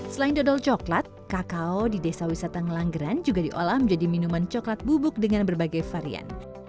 selain dodol coklat kakao di desa wisata ngelanggeran juga diolah menjadi minuman coklat bubuk dengan berbagai varian